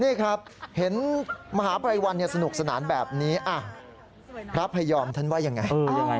นี่ครับเห็นมหาภัยวันสนุกสนานแบบนี้พระพยอมท่านว่ายังไง